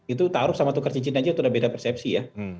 itu ta'aruf sama tukar cincin aja sudah beda persepsi ya